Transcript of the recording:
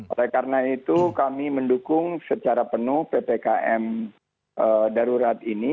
oleh karena itu kami mendukung secara penuh ppkm darurat ini